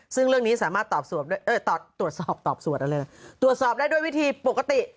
ซึ่งเรื่องนี้สามารถตรวจสอบได้ด้วยวิธีปกติ